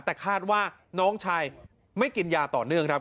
แต่คาดว่าน้องชายไม่กินยาต่อเนื่องครับ